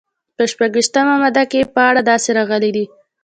په شپږویشتمه ماده کې یې په اړه داسې راغلي دي.